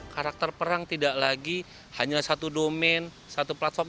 karakter perang tidak lagi hanya satu domain satu platform